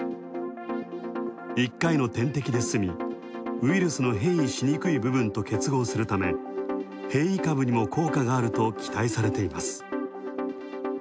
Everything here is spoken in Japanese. １回の点滴で済みウイルスの変異しにくい部分と結合するため変異株にも効果があると期待されています。